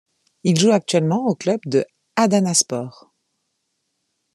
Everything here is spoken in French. Il joue actuellement au club de Adanaspor.